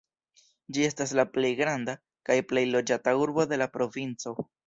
Ĝi estas la plej granda kaj plej loĝata urbo de la provinco.